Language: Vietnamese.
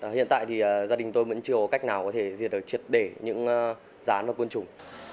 hiện tại thì gia đình tôi vẫn chưa có cách nào có thể diệt được triệt để những rán và quân chủng